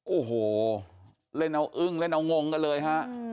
โอ้โหเล่นเอาอึ้งเล่นเอางงกันเลยฮะ